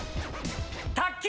卓球！